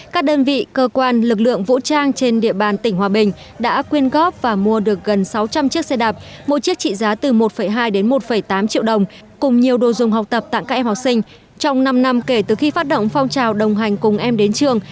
các đơn vị trong lực lượng vũ trang tỉnh hòa bình đã tổ chức các buổi tặng xe đạp máy tính casio bàn ghế đồ dùng học tập cho các em học sinh có hoàn cảnh khó khăn nhân dịp khai giảng năm học mới hai nghìn hai mươi hai nghìn hai mươi một